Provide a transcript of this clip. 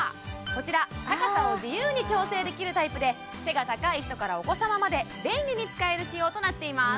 こちら高さを自由に調整できるタイプで背が高い人からお子様まで便利に使える仕様となっています